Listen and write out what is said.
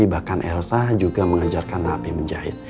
tapi bahkan elsa juga mengajarkan napi menjahit